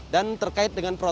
dan terkait dengan protokol